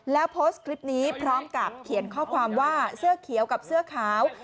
แล้วโพสต์คลิปนี้พร้อมกับเขียนข้อความว่าเสื้อเขียวกับเสื้อขาว